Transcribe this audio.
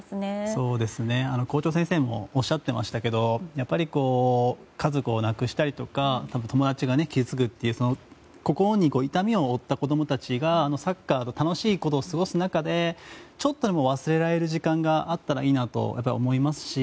そうですね、校長先生もおっしゃってましたけどやっぱり、家族を亡くしたり友達が傷つくという心に痛みを負った子供たちがサッカー、楽しいことをして過ごす中でちょっとでも忘れられる時間があったらいいなと思いますし